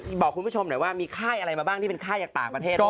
บอกคุณผู้ชมหน่อยว่ามีค่ายอะไรมาบ้างที่เป็นค่ายจากต่างประเทศ